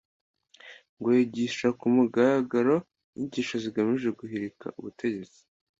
ngo yigisha ku mugaragaro inyigisho zigamije guhirika ubutegetsi